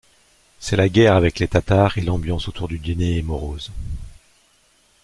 C'est la guerre avec les Tatars et l'ambiance autour du dîner est morose.